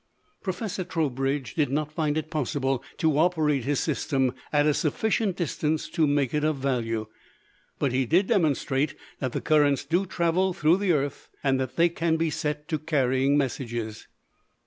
Professor Trowbridge did not find it possible to operate his system at a sufficient distance to make it of value, but he did demonstrate that the currents do travel through the earth and that they can be set to carrying messages.